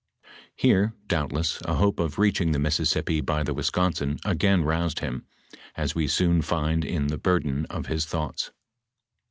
* Here, doubtless, a hope of reaching the Mississippi by the Wisconsin, again roused him, as we soon find it the burthen of his thoughts.